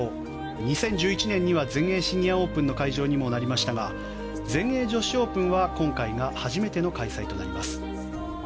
２０１１年には全英シニアオープンの会場にもなりましたが全英女子オープンは今回が初めての開催となります。